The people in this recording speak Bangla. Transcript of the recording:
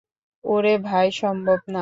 ওরে ভাই, সম্ভব না।